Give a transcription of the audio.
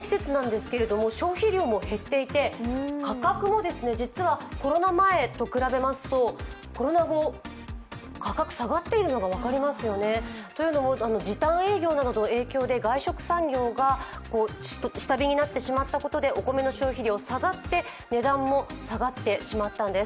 お米というのは、今、新米の季節なんですけれども消費量も減っていて、価格もコロナ前と比べますとコロナ後、価格下がっているのが分かりますよね。というのも時短営業などの影響で外食産業が下火になってしまったことで、お米の消費量が減ってしまって値段も下がってしまったんです